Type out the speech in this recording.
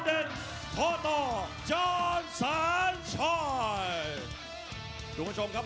ประโยชน์ทอตอร์จานแสนชัยกับยานิลลาลีนี่ครับ